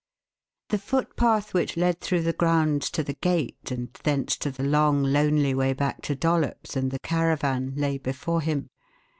The footpath which led through the grounds to the gate and thence to the long lonely way back to Dollops and the caravan lay before him.